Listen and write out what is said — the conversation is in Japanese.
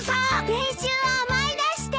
練習を思い出して！